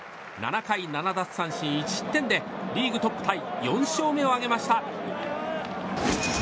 ７回７奪三振１失点でリーグトップタイ４勝目を挙げました。